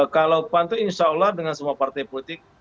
kalau pan itu insya allah dengan semua partai politik